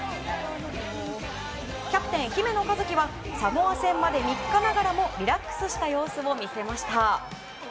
キャプテン姫野和樹はサモア戦まで３日ながらもリラックスした様子を見せました。